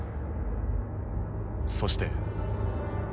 そして。